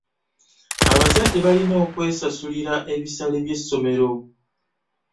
Abazadde balina okwesasulira ebisale by'essomero.